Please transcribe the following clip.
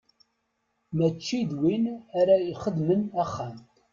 Mačči d win ara ixedmen axxam.